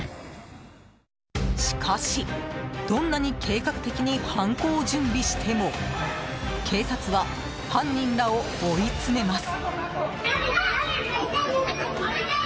しかし、どんなに計画的に犯行を準備しても警察は犯人らを追い詰めます。